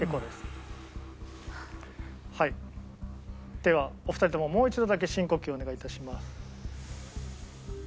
ではお二人とももう一度だけ深呼吸お願いいたします。